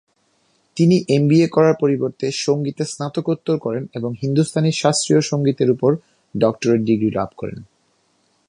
তিনি এমবিএ করার পরিবর্তে সংগীতে স্নাতকোত্তর করেন এবং হিন্দুস্তানি শাস্ত্রীয় সংগীতের উপরে ডক্টরেট ডিগ্রি লাভ করেন।